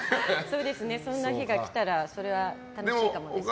そんな日が来たらそれは楽しいかもですね。